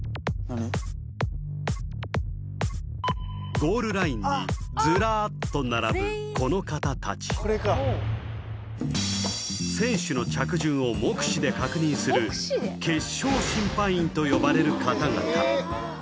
ゴールラインにずらっと並ぶこの方達選手の着順を目視で確認すると呼ばれる方々